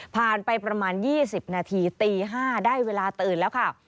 ไปประมาณ๒๐นาทีตี๕ได้เวลาตื่นแล้วค่ะ